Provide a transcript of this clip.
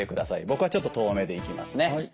僕はちょっと遠めでいきますね。